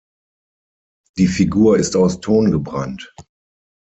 Die Figur ist aus Ton gebrannt.